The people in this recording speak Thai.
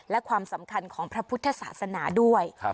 และความสำคัญของพระพุทธศาสนาด้วย